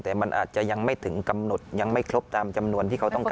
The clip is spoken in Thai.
แต่มันอาจจะยังไม่ถึงกำหนดยังไม่ครบตามจำนวนที่เขาต้องการ